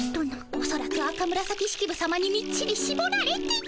おそらく赤紫式部さまにみっちりしぼられて。